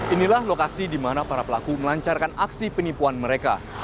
inilah lokasi di mana para pelaku melancarkan aksi penipuan mereka